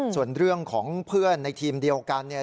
ส่วนเรื่องของเพื่อนในทีมเดียวกันเนี่ย